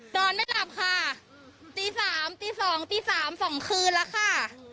โจรไม่หลับค่ะตีสามตีสองตีสามสองคืนแล้วค่ะ